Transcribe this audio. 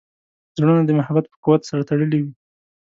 زړونه د محبت په قوت سره تړلي وي.